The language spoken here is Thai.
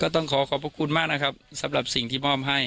ต้องขอขอบพระคุณมากนะครับสำหรับสิ่งที่มอบให้